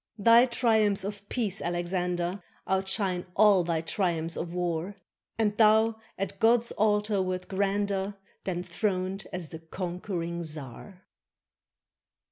Thy triumphs of peace, Alexander, Outshine all thy triumphs of war, And thou at God's altar wert grander Than throned as the conquering czar!